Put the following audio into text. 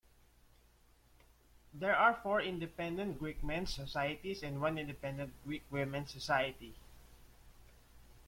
There are four independent Greek Mens "Societies" and one independent Greek Women's "Society".